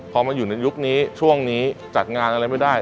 พอมาอยู่ในยุคนี้ช่วงนี้จัดงานอะไรไม่ได้